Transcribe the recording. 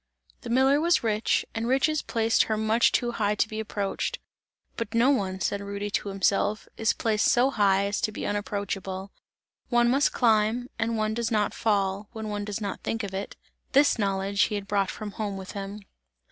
The miller was rich, and riches placed her much too high to be approached; "but no one," said Rudy to himself, "is placed so high as to be unapproachable; one must climb and one does not fall, when one does not think of it." This knowledge he had brought from home with him.